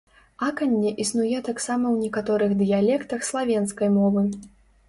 Аканне існуе таксама ў некаторых дыялектах славенскай мовы.